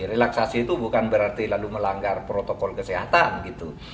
relaksasi itu bukan berarti lalu melanggar protokol kesehatan gitu